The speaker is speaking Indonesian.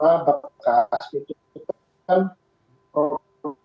itu kita kan produk produk yang memang secara segmennya